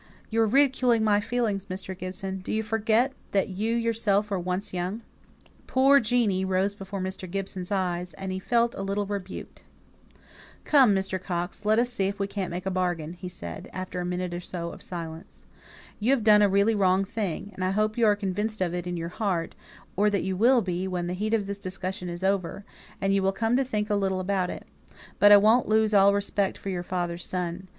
"You are ridiculing my feelings, Mr. Gibson. Do you forget that you yourself were young once?" "Poor Jeanie" rose before Mr. Gibson's eyes; and he felt a little rebuked. "Come, Mr. Coxe, let us see if we can't make a bargain," said he, after a minute or so of silence. "You have done a really wrong thing, and I hope you are convinced of it in your heart, or that you will be when the heat of this discussion is over, and you come to think a little about it. But I won't lose all respect for your father's son.